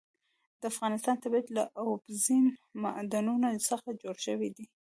د افغانستان طبیعت له اوبزین معدنونه څخه جوړ شوی دی.